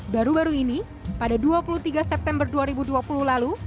baru baru ini pada dua puluh tiga september dua ribu dua puluh lalu